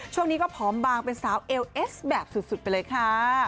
ช่วงนี้ก็ผอมบางเป็นสาวเอลเอสแบบสุดไปเลยค่ะ